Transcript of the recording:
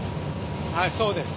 はいそうです。